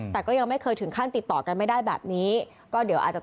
แต่ก็ยังไม่เคยถึงขั้นติดต่อกันไม่ได้แบบนี้